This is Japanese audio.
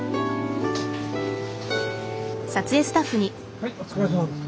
はいお疲れさまです。